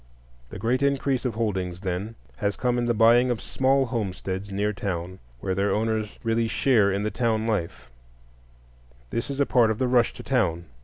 The great increase of holdings, then, has come in the buying of small homesteads near town, where their owners really share in the town life; this is a part of the rush to town.